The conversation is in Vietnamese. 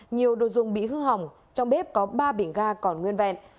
nhiều đồ dùng bị hư hỏng trong bếp có ba bình ga còn nguyên vẹn